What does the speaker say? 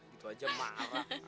gitu aja malah